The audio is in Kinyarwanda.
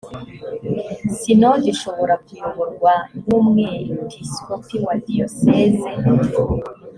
sinode ishobora kuyoborwa n’umwepiskopi wa diyoseze